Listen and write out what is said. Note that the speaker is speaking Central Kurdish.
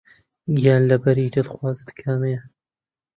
گیانلەبەری دڵخوازت کامەیە؟